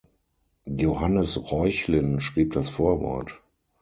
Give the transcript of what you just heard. Johannes Reuchlin schrieb das Vorwort.